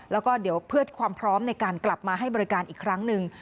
แล้วก็เดี๋ยวเพื่อความพร้อมในการกลับมาให้บริการอีกครั้งหนึ่ง